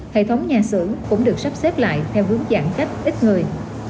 hệ thống nhà xử cũng được sắp xếp lại theo vướng giãn cách ít người